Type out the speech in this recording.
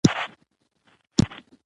هغه د روحانیت او معنوي سفر پلوی دی.